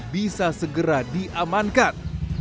bisa segera diamankan